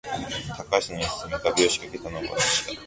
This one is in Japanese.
高橋の椅子に画びょうを仕掛けたのは私だ